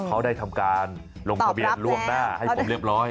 เขาได้ทำการลงทะเบียนล่วงหน้าให้ผมเรียบร้อย